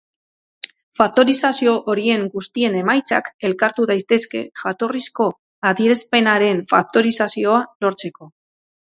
Faktorizazio horien guztien emaitzak elkartu daitezke jatorrizko adierazpenaren faktorizazioa lortzeko.